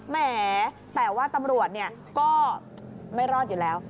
แหมแต่ว่าตำรวจก็ไม่รอดอยู่แล้ว